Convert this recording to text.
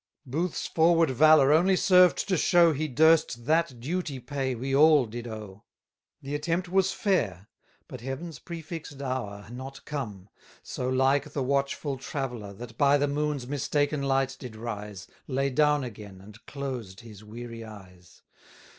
Booth's forward valour only served to show He durst that duty pay we all did owe. The attempt was fair; but Heaven's prefixed hour Not come: so like the watchful traveller, That by the moon's mistaken light did rise, Lay down again, and closed his weary eyes.